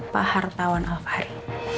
pak hartawan alfahri